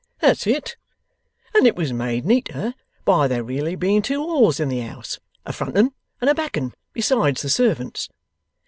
'That's it! And it was made neater by there really being two halls in the house, a front 'un and a back 'un, besides the servants'.